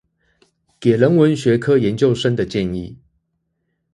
給人文學科研究生的建議